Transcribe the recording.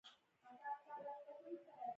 پانګه یې اوس یو سل پنځه ویشت میلیونه ده